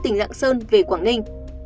tỉnh lạng sơn về quảng ninh